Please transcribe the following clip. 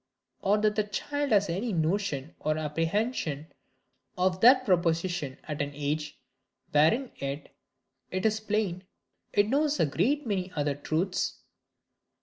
Or that the child has any notion or apprehension of that proposition at an age, wherein yet, it is plain, it knows a great many other truths?